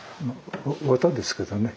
綿ですけどね。